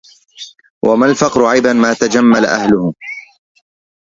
وما الفقر عيبا ما تجمل أهله